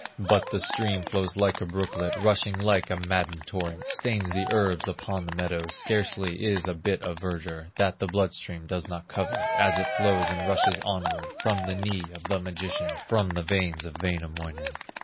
But the stream flows like a brooklet, Rushing like a maddened torrent, Stains the herbs upon the meadows, Scarcely is a bit of verdure That the blood stream does not cover As it flows and rushes onward From the knee of the magician, From the veins of Wainamoinen.